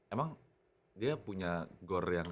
emang dia punya gor yang